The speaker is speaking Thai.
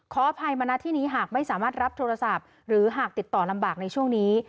ขออภัยมานะที่นี้หากไม่สามารถรับโทรศัพท์หรือหากติดต่อลำบากในช่วงนี้